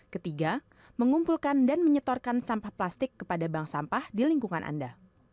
ketiga mengumpulkan dan menyetorkan sampah plastik kepada bank sampah di lingkungan anda